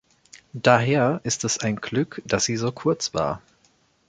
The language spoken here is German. Daher ist es ein Glück, dass sie so kurz war.